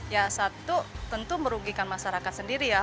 ya satu tentu merugikan masyarakat sendiri ya